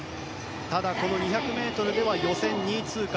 ただこの２００ｍでは予選２位通過。